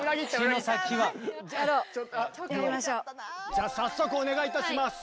じゃ早速お願いいたします！